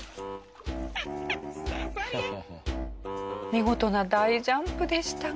見事な大ジャンプでしたが。